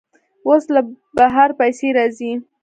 اوس له بهر پیسې راځي.